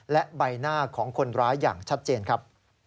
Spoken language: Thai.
และใบหน้าของคนร้ายอย่างชัดเจนครับ